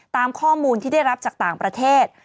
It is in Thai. ตามข้อมูลที่ได้รับจากต่างประเทศ